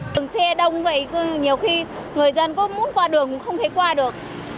đường xe đông vậy nhiều khi người dân có muốn qua đường cũng không thấy qua được